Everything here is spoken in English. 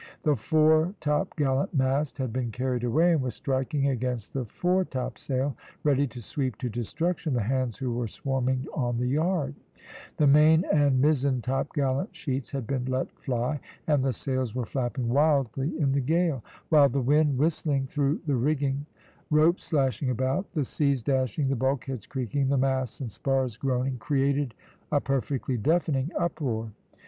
The fore topgallant mast had been carried away, and was striking against the fore topsail, ready to sweep to destruction the hands who were swarming on the yard; the main and mizen topgallant sheets had been let fly, and the sails were flapping wildly in the gale; while the wind whistling through the rigging ropes slashing about the seas dashing the bulkheads creaking the masts and spars groaning, created a perfectly deafening uproar.